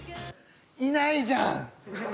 いないじゃん！